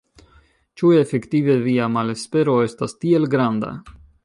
Ĉu efektive via malespero estas tiel granda?